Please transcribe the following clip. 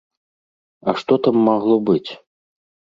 А што там магло быць?